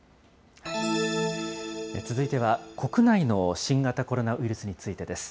続いては、国内の新型コロナウイルスについてです。